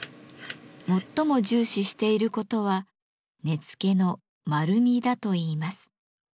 最も重視していることは根付の「丸み」だといいます。